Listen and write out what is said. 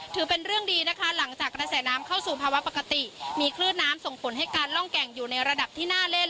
ถือเป็นเรื่องดีนะคะหลังจากกระแสน้ำเข้าสู่ภาวะปกติมีคลื่นน้ำส่งผลให้การร่องแก่งอยู่ในระดับที่น่าเล่น